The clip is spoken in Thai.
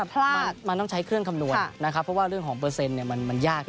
มันต้องใช้เครื่องคำนวณนะครับเพราะว่าเรื่องของเปอร์เซ็นต์มันยาก